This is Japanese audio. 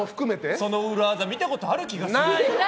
その裏技見たことある気がする。